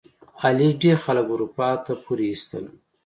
علي ډېر خلک اروپا ته پورې ایستل.